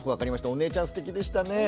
お姉ちゃんすてきでしたね。